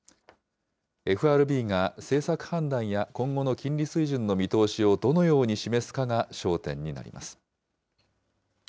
ＦＲＢが政策判断や今後の金利水準の見通しをどのように示すかが焦点になります。